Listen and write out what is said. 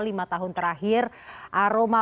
lima tahun terakhir aroma